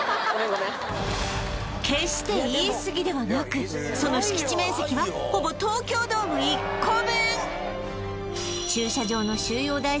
決して言いすぎではなくその敷地面積はほぼ東京ドーム１個分！